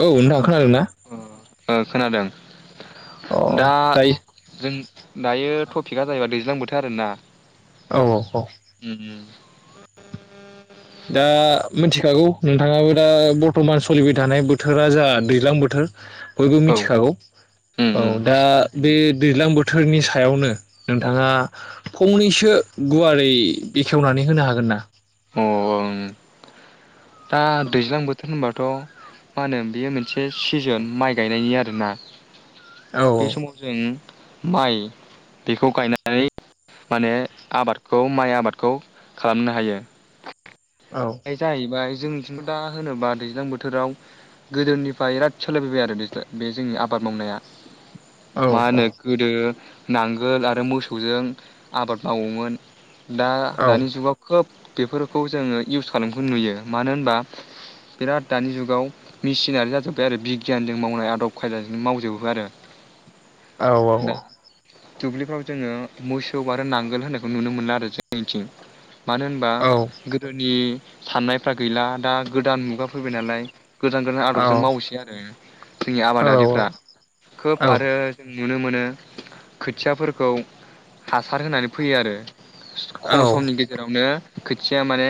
औ नोंथां खोनादों ना? ओं खोनादों। दा दायो जो-जों। दायो टपिकआ जाहैबाय दैज्लां बोथोर आरो ना। औ औ ह [inaudible] दा मिथिखागौ नोंथाङाबो दा बरटमान सलिबाय थानाय बोथोरा जा दैज्लां बोथोर बयबो औ मिथिखागौ। उम औ उम दा बे दैज्लां बोथोरनि सायावनो नोंथाङा फंनैसो गुवारै बेखेवनानै होनो हागोन ना? अ ओं दा दैज्लां बोथोर होनबाथ मा होनो बेयो मोनसे सिजोन माइ गायनायनि आरो ना औ बे समावजों माइ बेखौ गायनानै माने आबादखौ माइ आबादखौ खालामनो हायो। बे जाहैबाय जोंनिथिंथ दा होनोबा दैज्लां बोथोराव गोदोनिफ्राय बिराद सोलायबोबाय आरो दैज्ला बे जोंनि आबाद मावनाया औ माहोनो गोदो नांगोल आरो मोसौजों आबाद मावोमोन। दा औ दानि जुगाव खोब बेफोरखौ जोङो फिवसार नोंथ नुयो मानो होनबा बिराद दानि जुगाव मेसिनारि जाजोब्बाय आरो बिगियानजों मावनाय आदब खायदाजों मावजोबो आरो औ औ दा अ। दुब्लिफ्राव जोङो मोसौ आरो नांगोल होननायखौ नुनो मोनला आरो जोंनिथिं। मानो होनबा औ गो बे साननायफ्रा गैला दा गोदान मु बाव फैबाय नालाय गोदान गोदान आदबजों मावसै आरो जोंनि औ आबादारिफ्रा खोब आरो जोनि नुनो मोनो खोथियाफोरखौ हासार होनानै फैयो आरो औ खम समनि गेजेरावनो खोथिया माने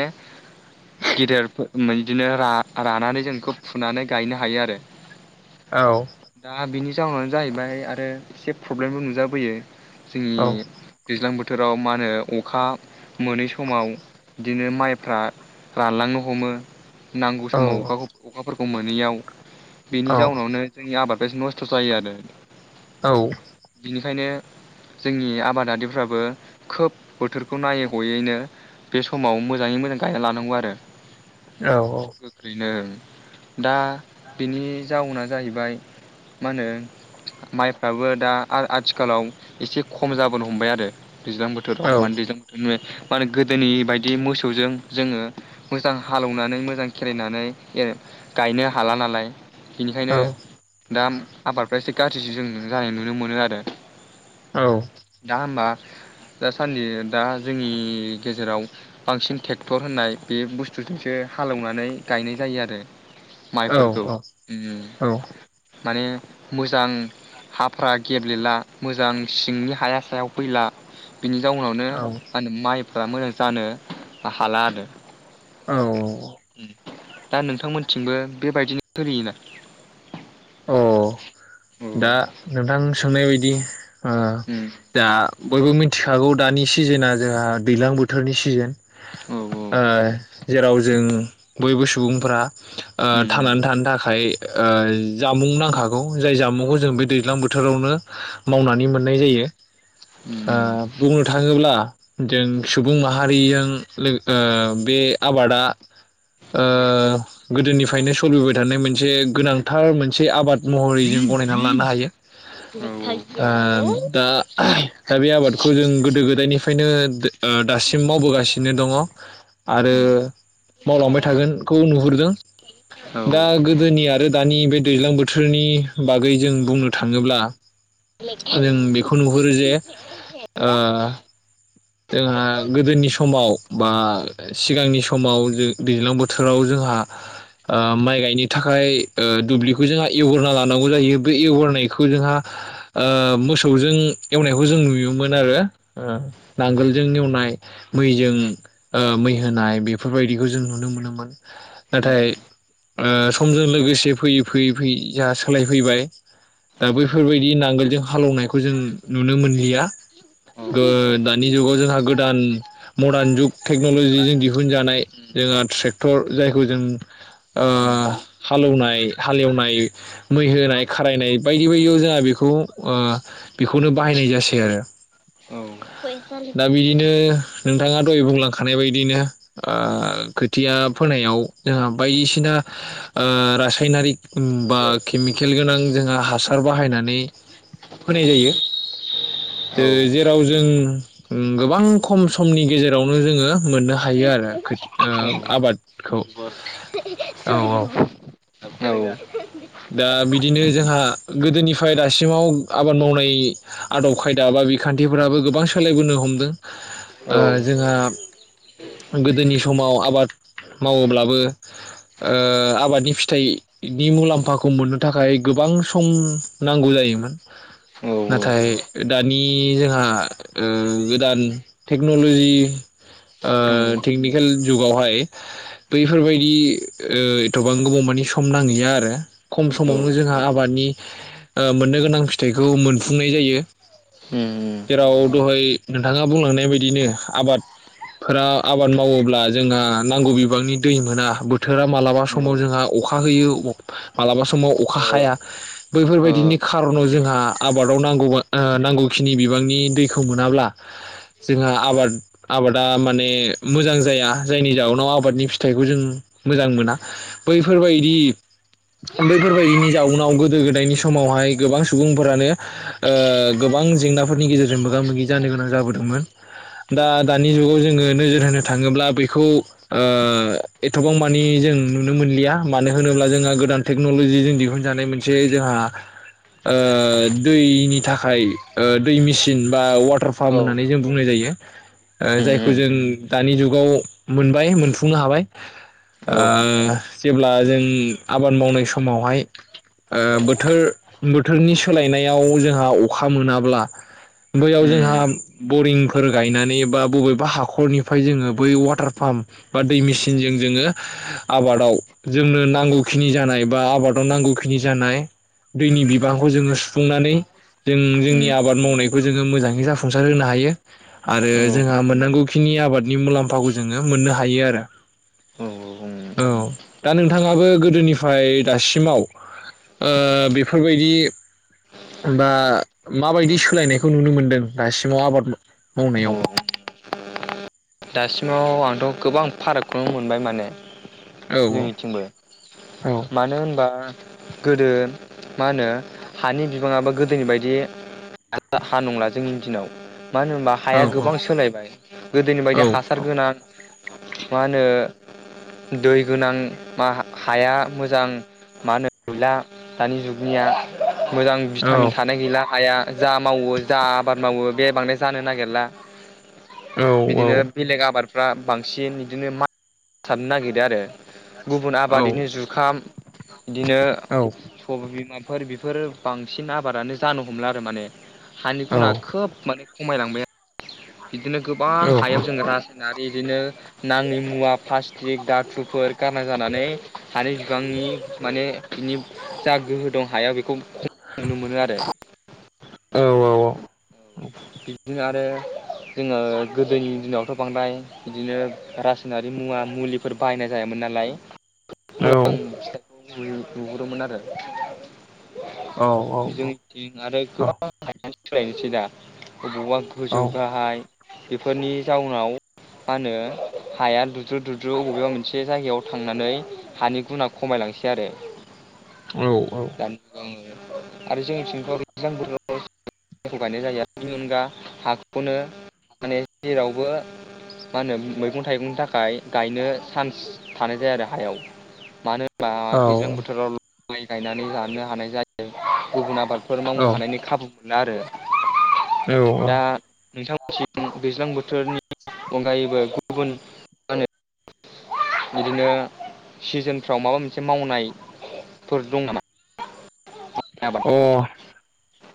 गेदेर फो मो बिदिनो रा रानानै जों बेखौ फुनानै गायनो हायो आरो दा बिनि जाउनानो जाहैबाय आरो एसे प्रब्लेमबो नुजाबोयो जोंनि दैज्लां बो बोथोराव मा होनो अखा मोनै समाव बिदिनो माइ फ्रा रानलांनो हमो नांगौ समाव अखाखौ अखाफोरखौ मोनैयाव बिनि औ जाउनावनो जोंनि आबाद बे नस्थ जायो आरो औ बिनिखायनो जोंनि आबादारिफ्राबो खोब बोथोरखौ नायै हयैनो बे समाव मोजाङै मोजां। गायना लानांगौ आरो। औ औ। गोख्रैनो दा बिनि जाउना जाहैबाय मा होनो माइफ्राबो दा आ-आथिखालाव एसे खम जाबोनो हमबाय आरो। दैज्लां बोथोराव माने [unintelligible] दैज्लां बोथोरनि माने गोदोनि बायदि मोसौजों जोङो मोजां हालौनानै मोजां खेरायनानै गायनो हाला नालाय। बिनिखायनो दा आबादफ्रा एसे गाज्रिसो जों जानाय नुनो मोनो आरो। दा होमबा। दासान्दि दा जोंनि गेजेराव बांसिन टेक टर होननाय बे बुस्थुजोंसो हालेवनानै गायनाय जायो आरो। औ माइफोरखौ उम औ औ। माने मोजां हाफ्रा गेब्लेला मोजां सिंनि हाया सायाव फैला। बिनि जाउनावनो औ मा होनो माइ फ्रा मोजां जानो हाला आरो। औ। [unintelligible] दा नोंथांमोनथिंबो बेबायदिनो फोरियोना? औ दा नोंथां सोंनाय बायदि ओ दा बयबो मिन्थि खागौ दानि सिजोनना जोंहा दैलां बोथोरनि सिजोन। औ ओ जेराव जों बयबो सुबुंफोरा। ओ थांनानै थानो थाखाय। ओ जामुं नांखागौ। जाय जामुंखौ औ उम औ जों बे दैज्लां बोथोरावनो मावनानै मोननाय जायो। ओ बुंनो थाङोब्ला जों सुबुं माहारिजों लोग ओ बे आबादा ओ जोंहा गैया गोदोनिफ्रायनो सोलिबोबाय थानाय मोन मोनसे गोनांथार मोन मोनसे आबाद महरै जों गनायनानै लानो हायो। मेथाइ गैया ओम दा दा बे आबादखौ जों गोदो गोदा गोदोनिफ्रायनो दो ओ दासिम मावबोगासिनो दङ आरो मावलांबाय थागोनखौ नुहुरो। [unintelligible] औ दा गोदोनि आरो दानि बे दैज्लां बोथोरनि बागै जों बुंनो थाङोब्ला जों बेखौ नुहुरो जे ओ। जोंहा गोदोनि समाव बा सिगांनि समाव जों दैज्लां बोथोराव जोंहा ओ माइ गायनो थाखाय ओ दुब्लिखौ जोंहा एवग्रोना लानांगौ जाहोयो बे एवग्रोनायखौ जोंहा ओ मोसौजों एवनायखौ जों नुयोमोन आरो ओ नांगोलजों एवनाय मैजों ओ मै होनाय बेफोरबायदिखौ जों नुनो मोनोमोन नाथाय ओ समजों लोगोसे फैयै फैयै फैयै जाहा सोलायफैबाय दा बैफोरबायदि नांगोलजों हालेवनायखौ जों नुनो मोनलिया गो दा दानि जुगाव जोंहा गोदान मडार्न जुग टेक्नलजिजों दिहुनजानाय जोंहा ट्रेक्टर जायखौ जों ओ हालऔनाय हालेवनाय मै होनाय खारायनाय बायदि बायदियाव जोंहा बेखौ ओ बेखौनो बाहायनाय जासै आरो। दा बिदिनो। नोंथाङा दहै बुंलांखानाय बायदिनो ओ खोथिया फोनायाव जोंहा बायदिसिना ओ रासायनारिक उम बा खेमिखेल गोनां जोंहा हासार बाहायनानै फोनाय जायो ओ जेराव जों ओं गोबां खम समनि गेजेरावनो जोङो मोननो हायो आरो खोथि ओ आबाद खौ औ औ। दा बिदिनो जोंहा गोदोनिफाय दासिमाव आबाद मावनाय आदब खायदा बा बिखान्थिफोराबो गोबां सोलायबोनो हमदों ओ जोंहा गोदोनि समाव आबाद मावोब्लाबो ओ आबादनि फिथाइनि मुलाम फाखौ मोननो थाखाय गोबां सम नांगौ जायोमोन नाथाय दानि जोंहा ओ गोदान टेक्नलजि ओ टेकनिकेल जुगावहाय बैफोरबायदि ओ एथबां गोबावमानिे सम नांलिया आरो। खम समावनो जोंहा आबादनि ओ मोननो गोनां फिथाइखौ मोनफुंनाय जायो। ओम आव दहाय नोंथाङा बुंलांनाय बायदिनो आबादफोरा आबाद मावोब्ला जोंहा नांगौ बिबांनि दै मोना बोथोरा मालाबा समाव जोंहा अखा होयो। मालाबा समाव अखा हाया बैफोरबायदिनि खारनाव जोंहा आबादाव नांगौ नांगौखिनि बिबांनि दैखौ मोनाब्ला जोंहा आबाद आबादा माने मोजां जाया जायनि जउोनाव आबादनि फिथाइखौ जों मोजां मोना बैफोरबायदि। बैफोरबायदिनि जाउनाव गोदो गोदायनि समावहाय गोबां सुबुंफोरानो ओ गोबां जेंनाफोरनि गेजेरजों मोगा मोगि जानो गोनां जाबोदोंमोन दा दानि जुगाव जोङो नोजोर होनो थाङोब्ला बेखौ एथबांमानि जों नुनो मोनलिया मानो होनोब्ला जोंहा। गोदान टेक्नलजिजों दिहुनजानाय मोनसे जोंहा ओ दैनि थाखाय दै मेसिन बा दारफाम होन्नानै जों बुंनाय जायो। [inaudible] जायखौ जों दानि जुगाव मोनबाय मोनफुंनो हाबाय जेब्ला जों आबाद मावनाय समावहाय बोथोर बोथोरनि सोलायनायाव जोंहा अखा मोनाब्ला बैयाव जोंहा बरिंफोर गायनानै बा बबेबा हाखरनिफ्राय जोङो बै वाटार पाम्प बा दै मेसिनजों जोङो आबादाव जोंनो नांगौ खिनि जानाय बा आबादाव नांगौ खिनि जानाय दैनि बिबांखौ जोङो सुफुंनानै जों जोंनि आबाद मावनायखौ खौ जोङो मोजाङै जाफुंसार होनो हायो आरो जोंहा मोननांगौ खिनि आबादनि मुलाम्फाखौ जोङो मोननो हायो आरो। औ दा नोंथाङाबो गोदोनिफ्राय दासिमाव ओ बेफोरबायदि बा माबायदि सोलायनायखौ नुनो मोनदों दासिमाव आबाद मावनायाव? दासिमाव आंथ गोबां फारागखौनो मोनबाय माने औ जोंनिथिंबो औ मानो होनबा गोदो मा होनो हानि बिबाङाबो गोदोनि बायदि हा नंला जोंनि दिनाव मानो होनबा औ हाया गोबां सोलायबाय बेदि औ हासार गोनां मा होनो दै गोनां मा हाया मोजां मा होनो नुला दानि जुगनिया मोजां औ भिटामिन थानाय गैला हाया जा मावो जा आबाद मावो बे बांद्राय जानो नागिरला औ औ बिदिनो बेलेग आबाद फ्रा बांसिन बिदिनो मा [unintelligible] सारनो नागिरो आरो गुबुन औ आबादैनो जुखाम बिदिनो औ सबाय बिमाबा फोर बेफोर बांसिन आबादानो जानो हमला आरो माने हानि गुना खोब माने खमायलांबाय आरो बिदिनो गोबां औ हायाव जोंङो राज होनाय बिदिनो नाङि मुवा प्लास्टिक दाथुफोर गारना जानानै हानि बिबांनि माने बिनि जा गोहो दं हायाव खौ खम नुनो मोनो आरो औ औ। [inaudible] बिदिनो आरो जोङो गोदोनि दिनावथ बांद्राय बिदिनो रासायनारि मुवा मुलिफोर बाहायनाय जायामोमोन नालाय मोजां [unintelligible] लु-लुगोरोमोन आरो अ जोंनिथिं आरो गोबां [unintelligible] सोलायनोसै दा अबावबा गोजौ गाहाय बेफोरनि जाउनाव मा होनो हाया दुद्रु दुुद्रु अबेबा मोनसे जायगायाव थांनानै हानि गुना खमायलांसै आरो [unintelligible] आरो जोंनिथिंथ बिदि [unintelligible] गायनाय जायो आरो बेनि अनगा हाखौनो माने जेरावबो मा होनो मैगं थाइगंनि थाखाय गायनो सान्स थानाय जाया आरो हायाव मानो बा दैज्लां बोथोराव ल माइ गायनानै जानो हानाय जायो। गुबुन आबाद फोर औ मावनो हानायनि खाबु आरो दा नोंथां मोन्थिं दैज्लां बोथोरनि अनगायैबो गुबुन माहोनो बिदिनो सिजोनफ्राव माबा मोनसे मावनायफोर दं नामा? आबाद अ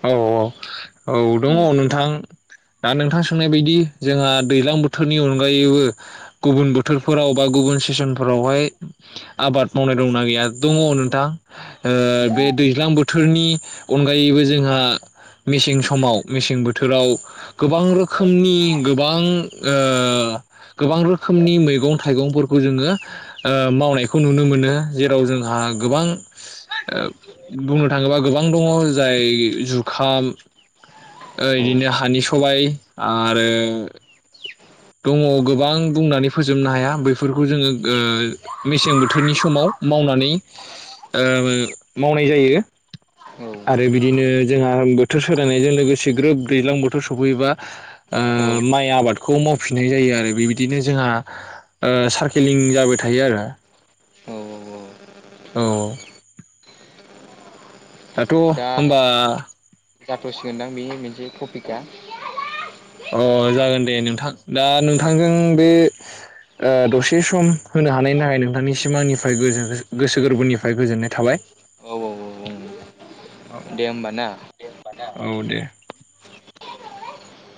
औ औ। औ दङ उम नोंथां। दा नोंथां सोंनाय बायदि जोंहा दैलां बोथोरनि अनगायैबो गुबुन बोथोरफोराव बा गुबुन सिसन फोराव हाय आबाद मावनाय दंना गैया? दङ' नोंथां। ओ उम बे दैज्लां बोथ थोरनि अनगायैबो जोंहा मेसें समाव मेसें बोथोराव गोबां रोखोमनि गोबां ओ गोबां रोखोमनि मैगं थाइगंफोरखौ जोङो ओ मावनायखौ नुनो मोनो। जेराव जोंहा गोबां ओ बुंनो थाङोबा गोबां दङ जाय जुखाम ओ औ इदिनो हानि सबाय आरो दङ' गोबां बुंनानै फोजोबनो हाया बैफोरखौ जोङो ओ मेसें बोथोरनि समाव मावनानै ओ मावनाय जायो। आरो बिदिनो जोंहा बोथोर सोलायनायजों लोगोसे ग्रोब दैज्लां बोथोर सफैयोबा औ ओ माइ आबादखौ मावफिननाय जायो आरो बेबायदिनो जोंहा ओ सारकेलिं जाबाय थायो आरो। औ औ औ। दाथ' होनबा जाथ' सिगोनदां बेनि मिनसे टपिकआ? अ जागोन दे नोंथां दा औ नोंथांजों बे ओ दसे सम होनो हानायनि थाखाय नोंथां निसिम आंनिफ्राय गोजो गोसो गोरबोनिफ्राय गोजोननाय थाबाय। औ औ औ दे होमबा ना। औ दे।